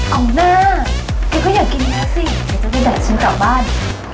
เอาหน้าแกก็อยากกินเนื้อสิเดี๋ยวจะได้แดดชิ้นกลับบ้าน